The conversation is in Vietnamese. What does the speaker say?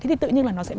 thế thì tự nhiên là